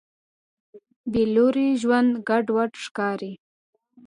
بېلوري ژوند ګډوډ ښکاري.